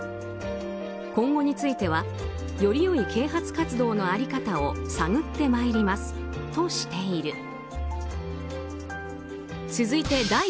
今後については、よりよい啓発活動の在り方を探ってまいりますとしている。